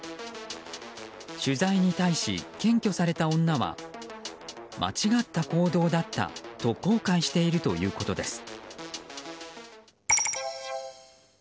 取材に対し、検挙された女は間違った行動だったと後悔しているということです。